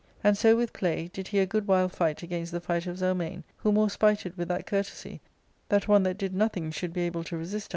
And so, with play, did he a good while fight against the fight of Zelmane, who, more spited with that courtesy, that one that did nothing should be able to resist J 170 ARCADIA.